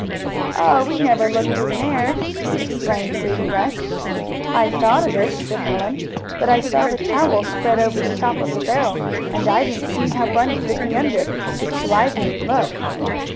"Oh, we never looked in there!" exclaimed Sadie West. "I thought of it," said Helen, "but I saw the towel spread over the top of the barrel, and I didn't see how Bunny could be under it, so I didn't look."